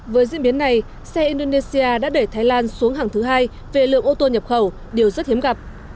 với diễn biến này xe indonesia đã để thái lan xuống hàng thứ hai về lượng ô tô nhập khẩu điều rất hiếm gặp